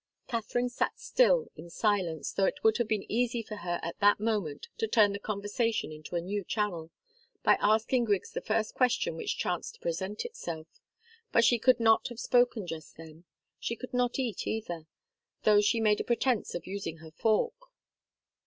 Katharine sat still in silence, though it would have been easy for her at that moment to turn the conversation into a new channel, by asking Griggs the first question which chanced to present itself. But she could not have spoken just then. She could not eat, either, though she made a pretence of using her fork.